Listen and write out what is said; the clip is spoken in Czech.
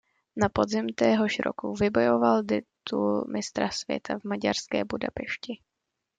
Na podzim téhož roku vybojoval titul mistra světa v maďarské Budapešti.